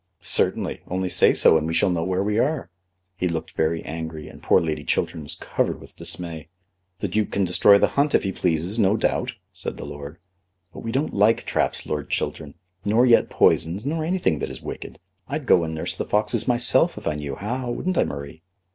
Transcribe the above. "Certainly; only say so, and we shall know where we are." He looked very angry, and poor Lady Chiltern was covered with dismay. "The Duke can destroy the hunt if he pleases, no doubt," said the lord. "But we don't like traps, Lord Chiltern; nor yet poison, nor anything that is wicked. I'd go and nurse the foxes myself if I knew how, wouldn't I, Marie?"